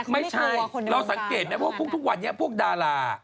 ไม่ใช่เราสังเกตไหมว่าทุกวันนี้พวกดารา